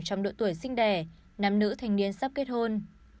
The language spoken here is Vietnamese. trong độ tuổi sinh đẻ nam nữ thanh niên sắp kết hôn